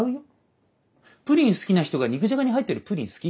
プリン好きな人が肉じゃがに入ってるプリン好き？